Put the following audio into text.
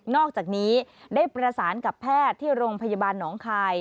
อกจากนี้ได้ประสานกับแพทย์ที่โรงพยาบาลหนองคาย